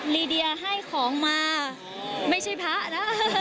ลีเดียให้ของมาไม่ใช่พระนะ